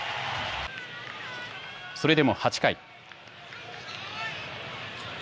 それでも８回。